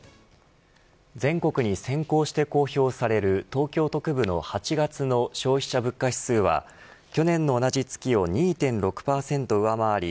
全国に先行して公表される東京都区部の８月の消費者物価指数は去年の同じ月を２．６％上回り